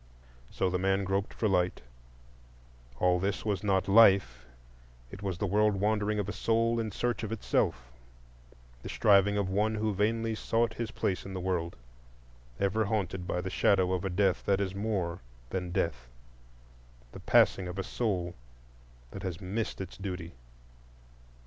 So the man groped for light; all this was not Life,—it was the world wandering of a soul in search of itself, the striving of one who vainly sought his place in the world, ever haunted by the shadow of a death that is more than death,—the passing of a soul that has missed its duty.